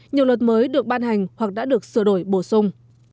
nhiều luật mới được ban hành hoặc đã được sửa đổi bổ sung